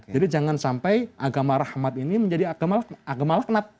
jadi jangan sampai agama rahmat ini menjadi agama laknat